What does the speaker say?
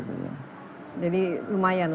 jadi lumayan lah industri nya ya